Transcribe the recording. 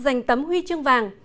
dành tấm huy chương vàng